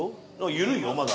緩いよまだ。